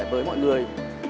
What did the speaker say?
với mọi người